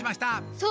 そう。